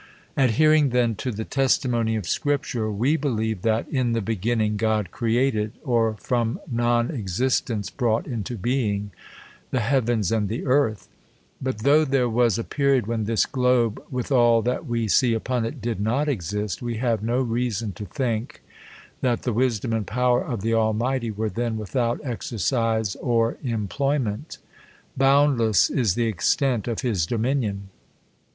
. Adhering thea to the testimony of scripture, we believe, that Jo THE COLUMBIAN ORATOR. that " in the beginning, God created," or from non ex istence brought into being, " the heavens and the earth/'' But though there was, a period when this globe, with all that we see upon it, did not exist, we have no reason to think, that the wisdom and power of the Almighty were then without exercise or employment. Boundless is the extent of bis dominion.